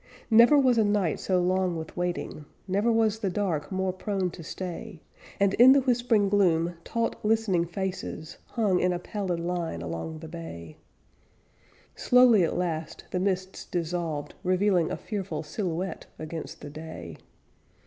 Never was a night so long with waiting. Never was the dark more prone to stay. And, in the whispering gloom, taut, listening faces Hung in a pallid line along the bay. Slowly at last the mists dissolved, revealing A fearful silhouette against the day.